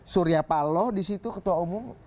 surya paloh disitu ketua umum